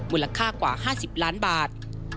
มูลค่ากว่า๕๐ล้านบาท